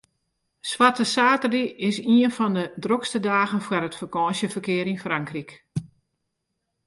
Swarte saterdei is ien fan de drokste dagen foar it fakânsjeferkear yn Frankryk.